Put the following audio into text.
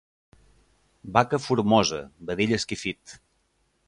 Vaca formosa, vedell esquifit.